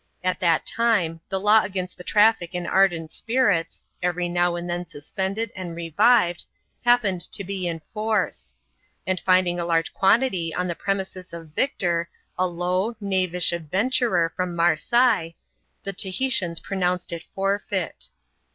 At that time, the law against the traffic in ardent spirits (every now and then suspended and revived) happened to be in force ; and finding a large quantity on the premises of Victor, a low, knavish adven turer from Marseilles, the Tahitians pronounced it forfeit.